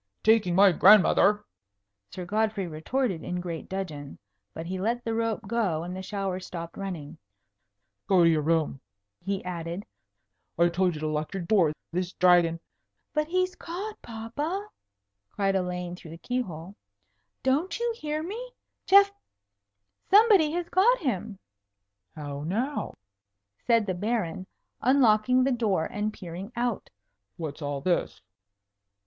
"Taking my grandmother!" Sir Godfrey retorted in great dudgeon. But he let the rope go, and the shower stopped running. "Go to your room," he added. "I told you to lock your door. This Dragon " "But he's caught, papa," cried Elaine through the key hole. "Don't you hear me? Geoff somebody has got him." "How now?" said the Baron, unlocking the door and peering out. "What's all this?"